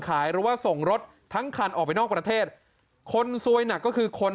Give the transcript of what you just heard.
หรือว่าส่งรถทั้งคันออกไปนอกประเทศคนซวยหนักก็คือคน